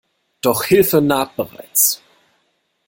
Doch Hilfe naht bereits.